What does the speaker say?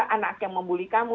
anak yang membully kamu